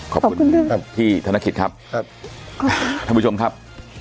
ขอบคุณที่เทศนกิจครับ